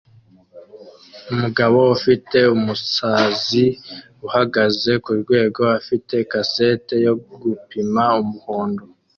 Umugabo ufite umusazi uhagaze kurwego afite kaseti yo gupima umuhondo